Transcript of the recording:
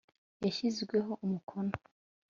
yashizweho umukono